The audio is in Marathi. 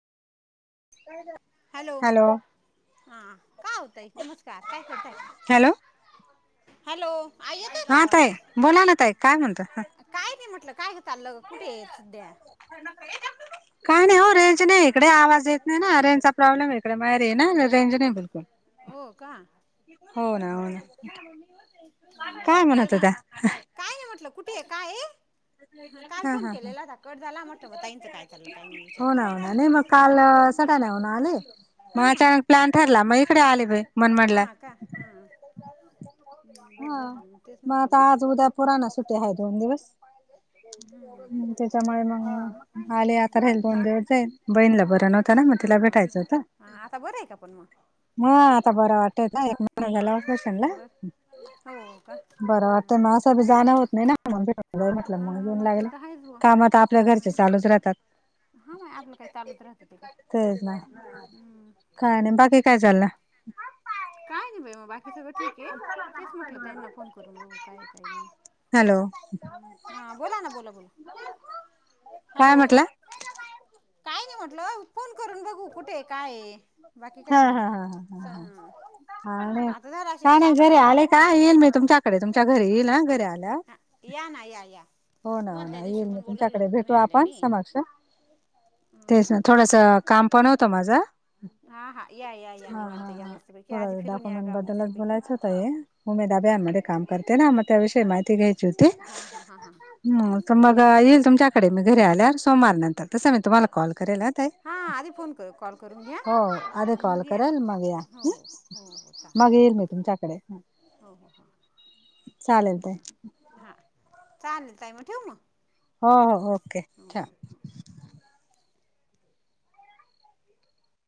हॅलो हा काय होते नमस्कार काय करताय हॅलो हॅलो, आई येतोय का हा आवाज? ताई बोला ना ताई काय म्हणता हा काय ते म्हटलं, काय ग चाललं, कुठे येत सध्या [unintelligible] काय नाय हो रेंज नाय इकडे, आवाज येत नाय ना, रेंजचा प्रॉब्लेम ये इकडे बाहेर ये ना, रेंज नाय बिलकुल हो का हो ना हा, हो ना बर काय मी तेच म्हणत होत्या म्हटंलं - काय नाय म्हटलं, कुठेय काय ये? हा काल फोन केलेला. ता कट झाला. म्हटलं म ताईनच काय चाललं काय नाही हो विचारून ना हो बघू. ना नाही मग काल सटा लाऊन आले. म हां हां अचानक प्लॅन ठरला. म इकडे आले बाई मनमाडला हां का हां बरं हा, झालं मग तेच म म्हटलं आता मग आज, उद्या पोरांना सुटी हाय दोन दिवस हम्म हम्म त्याच्यामुळे मंग आले. आता राहील दोन दिवस जाईन. बहीणला बर नव्हत ना, म तिला भेटायचं होतं. हा, आता बरं हाय पण म म आता बरं वाटतय ना, एक महिना झाला ऑपरेशनला बरं हो का बर वाटत, म हं अस बी जाण होत नाही ना [unintelligible] म्हटलं हा मग येेऊन ते लागल. तर आहेच बुवा काम त आपल्या हम्म. घरचे चालूच राहतात. हा, माय आपलं काय चालूत राहत ते काय, तेच ना हम्म काय नाय, बाकी काय चाललंय. काय नाई बाई म बाकी सगळं ठीक ये. तेच म्हटलं ताईना फोन करून बघू, काय ये काय नाई. हॅलो हूं, हा बोला ना बोला बोला, काय हॅलो म्हटलं? काय नाय म्हटलं, फोन करून बघू कुठेय काय ये हा ह ह ह ह ह ह हा नाय, आता झाला असेल काय नाय चहा घरी पाणी आले का, संध्याकाळचा येईल मी तुमच्या कडे तुमच्या घरी येईनं हा, घरी आल्या हा, या ना, या या हो ना हो तुम्हाला त्या ना, दिवशी येईल मी पण बोलवलं तुमच्याकडे होतं भेटू तुम्ही आल्या आपण नाही. समक्ष, तेच हम्म. न थोडस काम पण होतं माझं हा हा या या या हा हा निवांत या हा, मस्तपैकी थोड आधी फिरून या डॉक्युमेंट गाव बद्दलच मस्तपैकी बोलायचं होत. हे उमेदा हम्म. अभियानमध्ये काम करते ना, म त्याविषयी माहिती घ्यायची होती. हां हां हां हां म, त मग या या येईल तुमच्याकडे मी घरी आल्यावर, सोमवार नंतर तसं मी तुम्हाला कॉल करेल ह तय, हां आधी फोन कर कॉल करून घ्या हो. आधी आणि कॉल मग या करा न मग या. हो हं. हो हो हो मग चालेल येईल मी तुमच्याकडे हो, हो, हो. चालेल ताई हा, चालेल ताई म ठेवू म हो हो, ओके ठेवा.